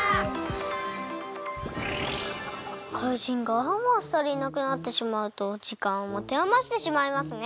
怪人がああもあっさりいなくなってしまうとじかんをもてあましてしまいますね。